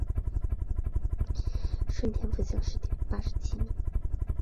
顺天府乡试第八十七名。